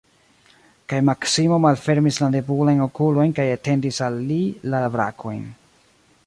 Kaj Maksimo malfermis la nebulajn okulojn kaj etendis al li la brakojn.